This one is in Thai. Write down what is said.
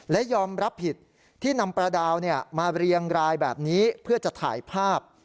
และยอมรับผิดที่นำปลาดาวมาเรียงรายแบบนี้เพื่อจะถ่ายภาพ